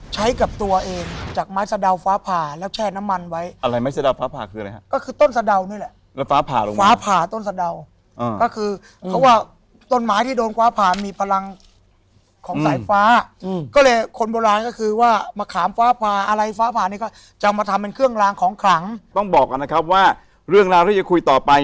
ใช้กับตัวเองจากไม้สะดาวฟ้าผ่าแล้วแช่น้ำมันไว้อะไรไม้สะดาวฟ้าผ่าคืออะไรฮะก็คือต้นสะดาวนี่แหละแล้วฟ้าผ่าลงฟ้าผ่าต้นสะเดาก็คือเขาว่าต้นไม้ที่โดนฟ้าผ่ามีพลังของสายฟ้าอืมก็เลยคนโบราณก็คือว่ามะขามฟ้าผ่าอะไรฟ้าผ่านี่ก็จะมาทำเป็นเครื่องลางของขลังต้องบอกกันนะครับว่าเรื่องราวที่จะคุยต่อไป